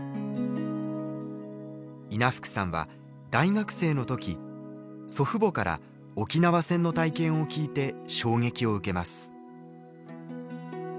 稲福さんは大学生の時祖父母から沖縄戦の体験を聞いて衝撃を受けます。